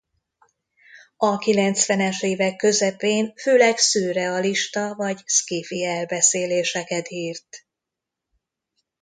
A kilencvenes évek közepén főleg szürrealista vagy sci-fi elbeszéléseket írt.